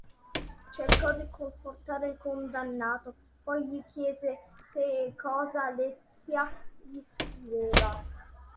Cercò di confortare il condannato, poi gli chiese se e cosa Alessia gli scriveva.